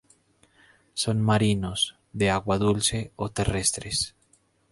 Son marinos, de agua dulce o terrestres.